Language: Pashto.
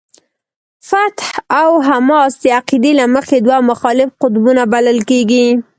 فتح او حماس د عقیدې له مخې دوه مخالف قطبونه بلل کېږي.